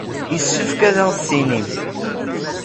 Yessefk ad aɣ-d-tinimt.